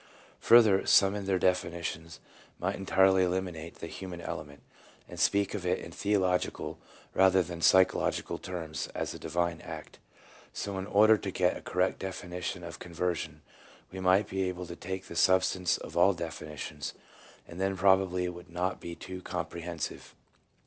Further, some in their definitions might entirely eliminate the human element, and speak of it in theological rather than psychological terms as a divine act. So in order to get a correct definition of conversion we might take the substance of all definitions, and then probably it would not be too comprehensive.